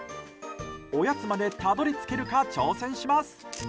おやつまでたどり着けるか挑戦します。